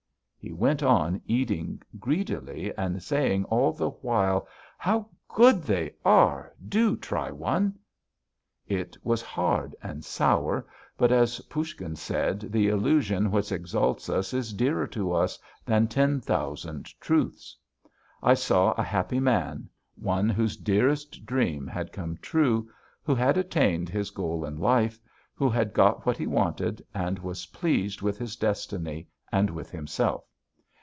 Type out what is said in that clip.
"He went on eating greedily, and saying all the while: "'How good they are! Do try one!' "It was hard and sour, but, as Poushkin said, the illusion which exalts us is dearer to us than ten thousand truths. I saw a happy man, one whose dearest dream had come true, who had attained his goal in life, who had got what he wanted, and was pleased with his destiny and with himself.